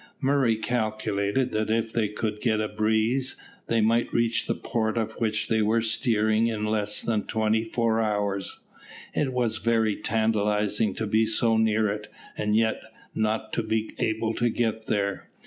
Murray calculated that if they could but get a breeze, they might reach the port for which they were steering in less than twenty four hours. It was very tantalising to be so near it, and yet not to be able to get there.